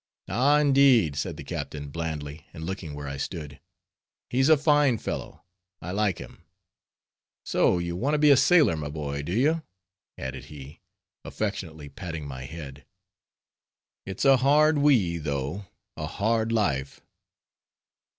"Ah! indeed!" said the captain, blandly, and looking where I stood. "He's a fine fellow; I like him. So you want to be a sailor, my boy, do you?" added he, affectionately patting my head. "It's a hard life, though; a hard life."